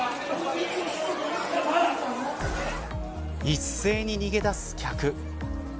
一斉に逃げ出す客。